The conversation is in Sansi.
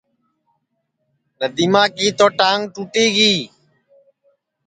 ندیما کی تو ٹانگ ٹُوٹی گی